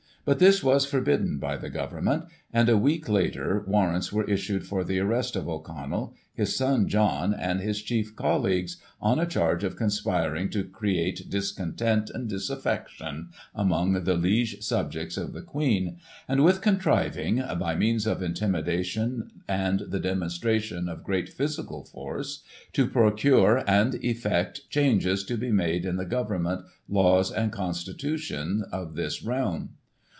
But this was forbidden by the Government, and, a week later, warrants were issued for the arrest of 0*Connell, his son John, and his chief colleagues, on a charge of conspiring to create discontent and disaffection among the liege subjects of the Queen, and with contriving, " by means of intimidation, euid the demonstration of great physical force, to procure and effect changes to be made in the government, laws, and constitution of this realm."